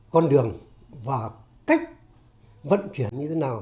con đường và cách vận chuyển như thế nào